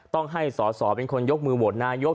ต้องให้สอสอเป็นคนยกมือโหวตนายก